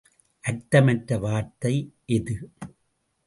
அர்த்தமற்ற வார்த்தை எது?